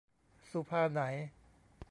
สุภา ไหน